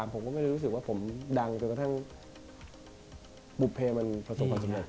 ผมก็ไม่ได้รู้สึกว่าผมดังจนกระทั่งบุภเพมันประสบความสำเร็